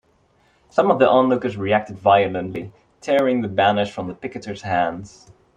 Some of the onlookers reacted violently, tearing the banners from the picketers' hands.